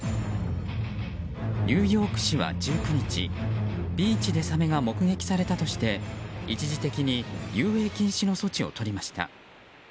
ニューヨーク市は１９日ビーチでサメが目撃されたとして一時的に遊泳禁止の措置をとりました。